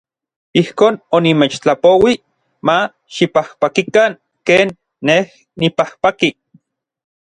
Ijkon onimechtlapouij ma xipajpakikan ken nej nipajpaki.